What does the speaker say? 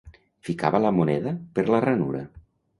Ficava la moneda per la ranura.